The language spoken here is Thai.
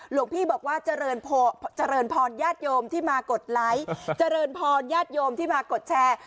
หลวงพี่บอกว่าเจริญเจริญพรญาติโยมที่มากดไลค์เจริญพรญาติโยมที่มากดแชร์